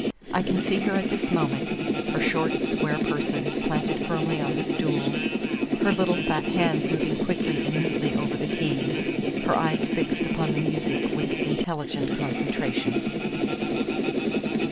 I can see her at this moment; her short, square person planted firmly on the stool, her little fat hands moving quickly and neatly over the keys, her eyes fixed on the music with intelligent concentration.